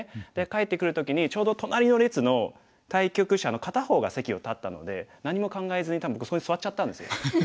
帰ってくる時にちょうど隣の列の対局者の片方が席を立ったので何も考えずに多分そこに座っちゃったんですよ。